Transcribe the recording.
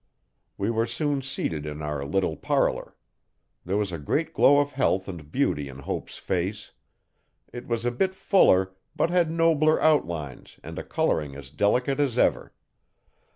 We were soon seated in our little parlour. There was a great glow of health and beauty in Hope's face. It was a bit fuller but had nobler outlines and a colouring as delicate as ever.